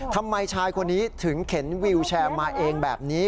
ทำไมชายคนนี้ถึงเข็นวิวแชร์มาเองแบบนี้